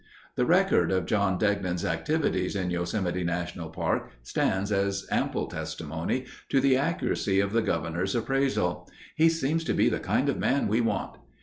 The record of John Degnan's activities in Yosemite National Park stands as ample testimony to the accuracy of the governor's appraisal, "He seems to be the kind of man we want."